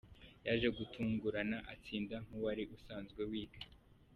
Yaje gutungurana atsinda nk’uwari usanzwe wiga.